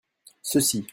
ceux-ci.